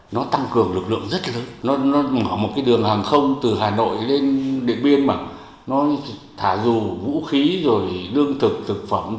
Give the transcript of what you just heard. nó tăng cường lực lượng rất lớn nó mở một đường hàng không từ hà nội lên điện biên mà thả dù vũ khí đương thực thực phẩm